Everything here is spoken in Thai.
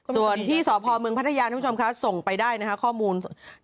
ส่วนที่สพมพัทยาที่ผู้ชมคะส่งไปได้นะฮะข้อมูล๑๕๙๙